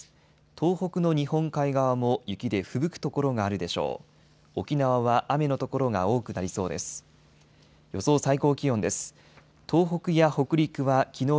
東北の日本海側も雪でふぶく所があるでしょう。